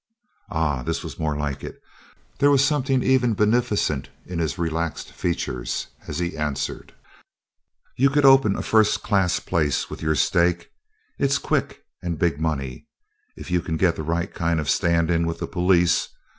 Ah, this was more like it! There was something even beneficent in his relaxed features as he answered: "You could open a first class place with your stake. It's quick and big money, if you can get the right kind of a stand in with the police.